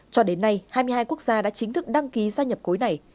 cho đến nay hai mươi hai quốc gia đã chính thức đăng ký gia nhập khối này